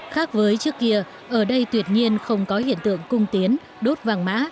khác với trước kia ở đây tuyệt nhiên không có hiện tượng cung tiến đốt vàng mã